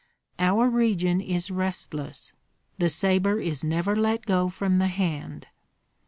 Our region is restless, the sabre is never let go from the hand.